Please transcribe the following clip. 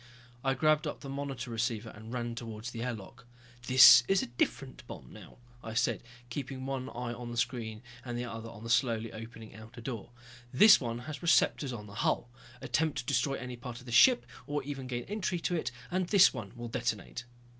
I grabbed up the monitor receiver and ran towards the air lock. "This is a different bomb now," I said, keeping one eye on the screen and the other on the slowly opening outer door. "This one has receptors on the hull. Attempt to destroy any part of this ship, or even gain entry to it, and this one will detonate."